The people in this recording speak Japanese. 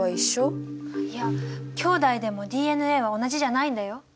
いやきょうだいでもＤＮＡは同じじゃないんだよ。